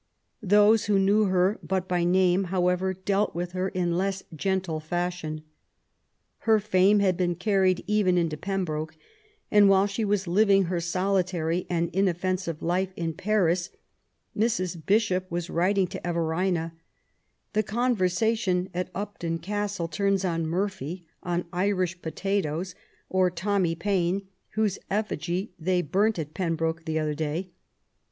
Those who knew her but by name, however, dealt with her in less gentle fashion. Her fame had been carried even into Pembroke ; and while she was living her solitary and inoffensive life in Paris^ Mrs. Bishop was writing to Everina :'' The conversation [at Upton Castle] turns on Murphy, on Irish potatoes^ or Tommy Paine, whose eflBgy they burnt at Pembroke the other day.